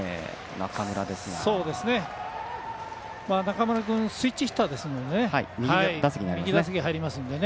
中村君スイッチヒッターですので右打席入りますね。